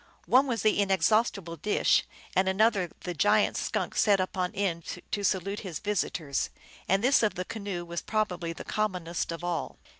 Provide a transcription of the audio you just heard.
One was the inexhaustible dish, and another the giant skunk set upon end to salute his vis itors, and this of the canoe was probably the commonest of all.